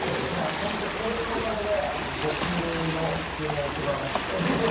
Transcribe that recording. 本当、これのおかげで僕の服の置場なくて。